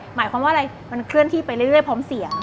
หมายความว่าอะไรมันเคลื่อนที่ไปเรื่อยพร้อมเสียง